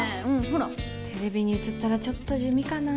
ほらテレビに映ったらちょっと地味かな